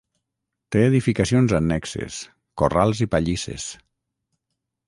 Té edificacions annexes: corrals i pallisses.